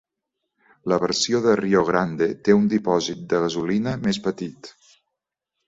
la versió de Rio Grande té un dipòsit de gasolina més petit.